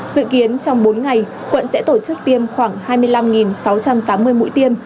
dự kiến trong bốn ngày quận sẽ tổ chức tiêm khoảng hai mươi năm sáu trăm tám mươi mũi tiêm